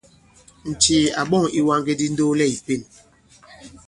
Ǹcìì à ɓɔ̂ŋ ìwaŋge di ndoolɛ ì pěn.